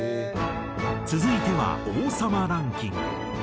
続いては『王様ランキング』。